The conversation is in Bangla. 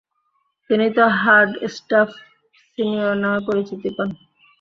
তিনি জো হার্ডস্টাফ সিনিয়র নামে পরিচিতি পান।